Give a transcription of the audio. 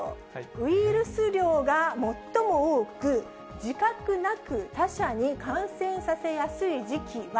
ウイルス量が最も多く、自覚なく他者に感染させやすい時期は？